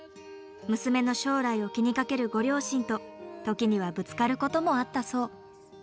娘の将来を気にかけるご両親と時にはぶつかることもあったそう。